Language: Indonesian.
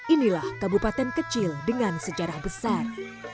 inilah kabupaten kecil dengan sejarah besar